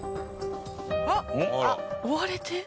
あっ！追われて。